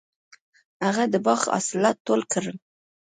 هغه د باغ حاصلات ټول کړل.